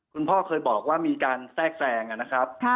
คุณพ่อเคยบอกว่ามีการแทรกแทรงนะครับ